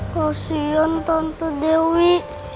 kasian tante dewi